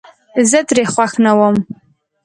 زه ترې خوښ نه ووم